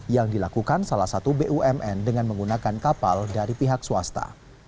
yang dilakukan salah satu bumn dengan menggunakan kapal dari pihak swasta